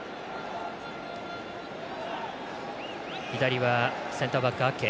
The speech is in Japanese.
左はセンターバック、アケ。